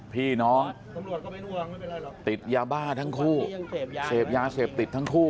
พี่น้องติดยาบ้าทั้งคู่เสพยาเสพติดทั้งคู่